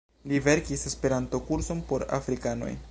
Li verkis Esperanto-kurson por afrikanoj.